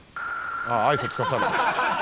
ああ愛想尽かされた。